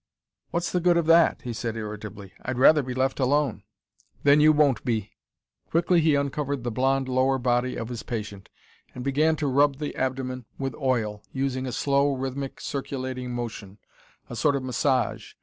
"What's the good of that?" he said irritably. "I'd rather be left alone." "Then you won't be." Quickly he uncovered the blond lower body of his patient, and began to rub the abdomen with oil, using a slow, rhythmic, circulating motion, a sort of massage.